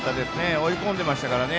追い込んでましたからね。